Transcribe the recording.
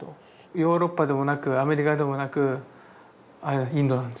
ヨーロッパでもなくアメリカでもなくインドに行こうと思った。